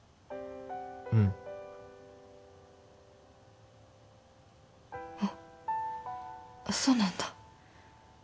うんあっそうなんだ